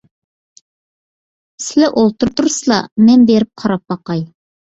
سىلى ئولتۇرۇپ تۇرسىلا، مەن بېرىپ قاراپ باقاي.